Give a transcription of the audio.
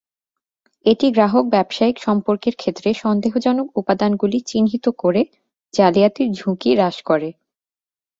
এটি গ্রাহক-ব্যবসায়িক সম্পর্কের ক্ষেত্রে সন্দেহজনক উপাদানগুলি চিহ্নিত করে জালিয়াতির ঝুঁকি হ্রাস করে।